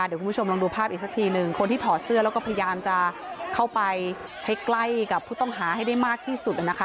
เดี๋ยวคุณผู้ชมลองดูภาพอีกสักทีหนึ่งคนที่ถอดเสื้อแล้วก็พยายามจะเข้าไปให้ใกล้กับผู้ต้องหาให้ได้มากที่สุดนะคะ